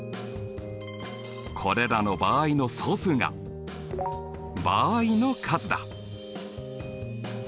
これらの場合の総数が場合の数だ。